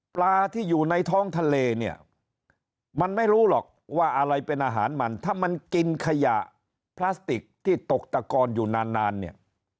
ปลาที่อยู่ในท้องทะเลเนี่ยมันไม่รู้หรอกว่าอะไรเป็นอาหารมันถ้ามันกินขยะพลาสติกที่ตกตะกอนอยู่นานเนี่ย